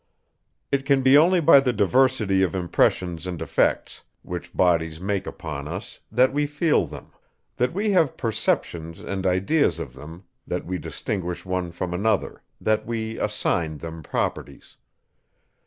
It can be only by the diversity of impressions and effects, which bodies make upon us, that we feel them; that we have perceptions and ideas of them; that we distinguish one from another; that we assign them properties.